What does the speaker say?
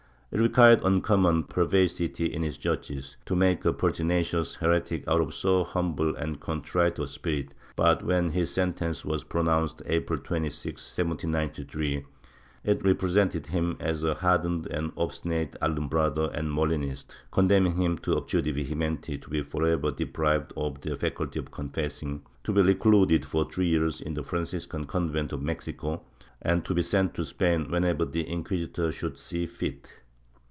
It required uncommon perversity in his judges to make a pertina cious heretic out of so humble and contrite a spirit but, when his sentence was pronounced, April 26, 1793, it represented him as a hardened and obstinate Alumbrado and Molinist, condemning him to abjure de vehementi, to be forever deprived of the faculty of confessing, to be recluded for three years in the Franciscan convent of Mexico, and to be sent to Spain whenever the inqui sitors should see fit.